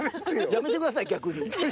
やめてください逆に。